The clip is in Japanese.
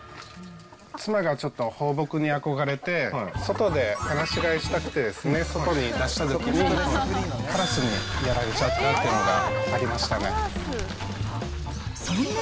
妻がちょっと放牧に憧れて、外で放し飼いしたくて、外に出したときに、カラスにやられちゃったというのがありましたが。